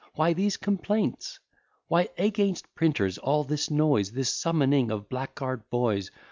Why these complaints? Why against printers all this noise? This summoning of blackguard boys?